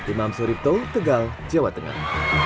imam suripto tegal jawa tengah